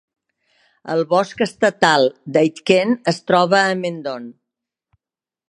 El bosc estatal d'Aitken es troba a Mendon.